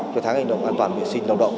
cái tháng hành động an toàn vệ sinh lao động